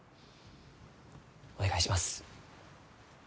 お願いします。